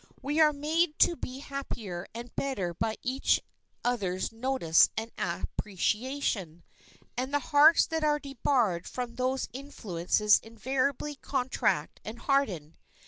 We are made to be happier and better by each other's notice and appreciation, and the hearts that are debarred from those influences invariably contract and harden.